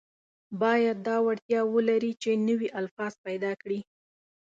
باید دا وړتیا ولري چې نوي الفاظ پیدا کړي.